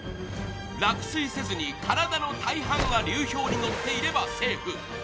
落水せずに体の大半は流氷に乗っていればセーフ。